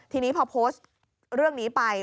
ทีนี้พอโพสต์เรื่องนี้ไป